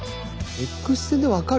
Ｘ線で分かる？